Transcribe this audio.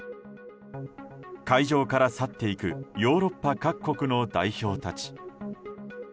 会場から去っていくヨーロッパ各国の代表たち。